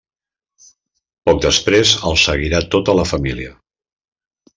Poc després el seguirà tota la família.